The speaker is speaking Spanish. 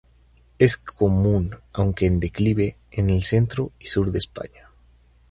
Es común, aunque en declive, en el centro y sur de España.